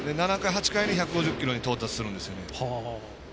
７回、８回に１５０キロに到達するんですよね。